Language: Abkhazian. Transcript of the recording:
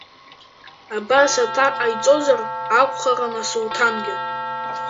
Абас аҭак ҟаиҵозар акухарын Асулҭангьы.